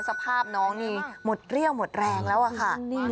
สภาพน้องนี่หมดเรี่ยวหมดแรงแล้วอะค่ะ